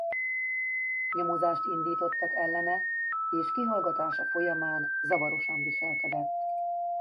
Nyomozást indítottak ellene es kihallgatása folyamán zavarosan viselkedett.